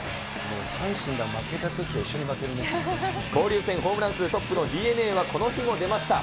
阪神が負けたときは一緒に負交流戦、ホームラン数トップのＤｅＮＡはこの日も出ました。